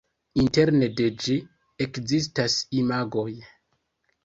Interne de ĝi ekzistas imagoj.